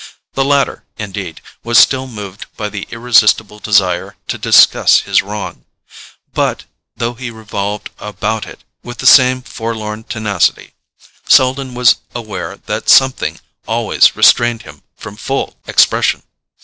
The latter, indeed, was still moved by the irresistible desire to discuss his wrong; but, though he revolved about it with the same forlorn tenacity, Selden was aware that something always restrained him from full expression.